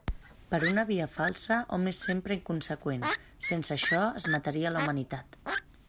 Per una via falsa, hom és sempre inconseqüent, sense això es mataria la humanitat.